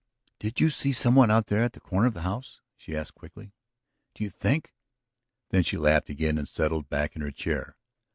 "Did you see some one out there at the corner of the house?" she asked quickly. "Do you think ..." Then she laughed again and settled back in her chair.